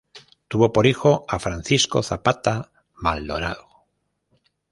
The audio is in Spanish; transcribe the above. Tuvo por hijo a Francisco Zapata Maldonado.